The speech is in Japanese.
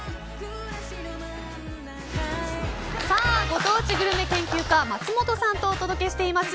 ご当地グルメ研究家松本さんとお届けしています